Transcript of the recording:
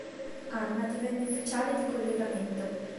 Anna divenne ufficiale di collegamento.